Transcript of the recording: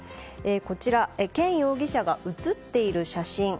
こちらはケン容疑者が写っている写真。